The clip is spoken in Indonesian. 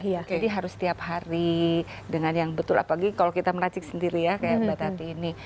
jadi harus setiap hari dengan yang betul apalagi kalau kita meracik sendiri ya kayak mbak tati ini